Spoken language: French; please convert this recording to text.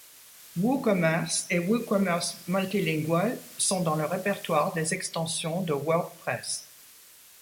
WooCommerce et WooCommerce Multilingual sont dans le répertoire des extensions de WordPress.